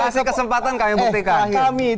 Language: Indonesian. kasih kesempatan kami buktikan